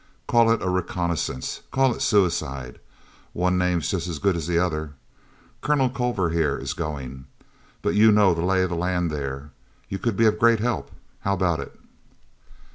Call it a reconnaissance, call it suicide—one name's just as good as the other. Colonel Culver, here, is going. But you know the lay of the land there; you could be of great help. How about it?"